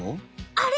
あれ？